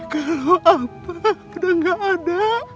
kalau apa udah gak ada